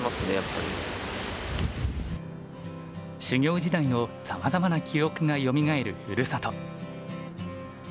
修業時代のさまざまな記憶がよみがえるふるさと。